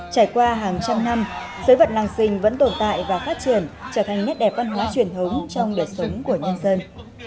trải qua hàng trăm năm giới vật làng xình vẫn tồn tại và phát triển trở thành nhất đẹp văn hóa truyền thống trong đời sống của nhân dân